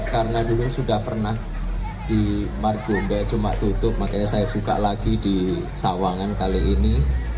karena dulu sudah pernah di margumbe cuma tutup makanya saya buka lagi di sawangan kali ini